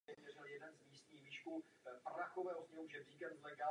Jáma byla svislou přepážkou rozdělena na část těžní a část větrní.